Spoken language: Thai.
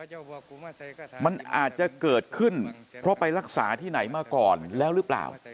อาจจะบอกคุณว่าไส้กระทะมันอาจจะเกิดขึ้นเพราะไปรักษาที่ไหนมาก่อนแล้วหรือเปล่า